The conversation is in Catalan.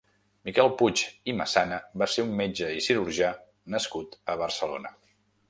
Miquel Puig i Massana va ser un metge i crurgià nascut a Barcelona.